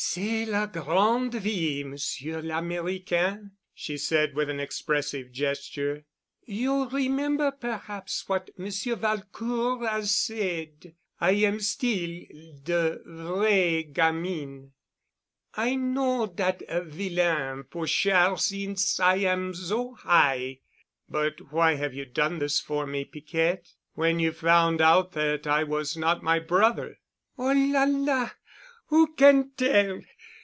"C'est la grande vie, Monsieur l'Americain," she said with an expressive gesture. "You remember perhaps what Monsieur Valcourt 'as said. I am still de vrai gamine. I know dat vilain Pochard since I am so high." "But why have you done this for me, Piquette? When you found out that I was not my brother——" "Oh, la, la! Who can tell?